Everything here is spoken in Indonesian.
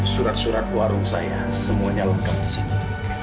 surat surat warung saya semuanya lengkap di sini